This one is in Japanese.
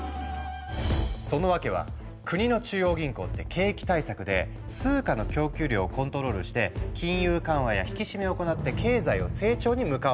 その訳は国の中央銀行って景気対策で通貨の供給量をコントロールして金融緩和や引き締めを行って経済を成長に向かわせているの。